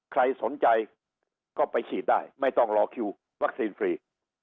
ใครสนใจก็ไปฉีดได้ไม่ต้องรอคิววัคซีนฟรี